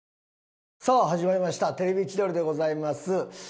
さあ始まりました『テレビ千鳥』でございます。